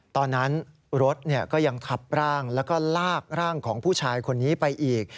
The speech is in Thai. ตอนนั้นรถก็ยังทับร่างแล้วก็ลากร่างของผู้ชายคนนี้ไปอีก